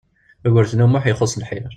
Yugurten U Muḥ ixuṣ lḥir.